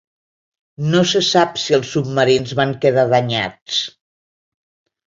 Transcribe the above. No se sap si els submarins van quedar danyats.